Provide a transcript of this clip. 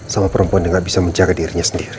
sama perempuan yang gak bisa menjaga dirinya sendiri